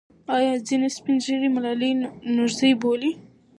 آیا ځینې سپین ږیري ملالۍ نورزۍ بولي؟